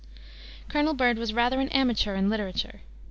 Colonel Byrd was rather an amateur in literature.